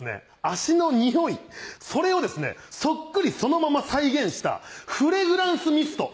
足のニオイそれをですねそっくりそのまま再現したフレグランスミスト